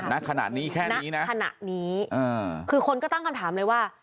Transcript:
ณขนาดนี้แค่นี้นะณขนาดนี้คือคนก็ตั้งคำถามเลยว่า